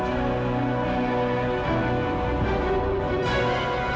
saya akan menangkap ayah